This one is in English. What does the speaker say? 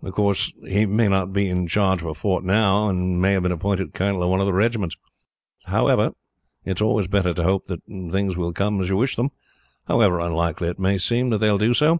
Of course, he may not be in charge of a fort now, and may have been appointed colonel of one of the regiments. However, it is always better to hope that things will come as you wish them, however unlikely it may seem that they will do so.